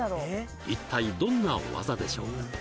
一体どんな技でしょう？